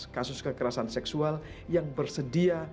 kasus kekerasan seksual yang bersedia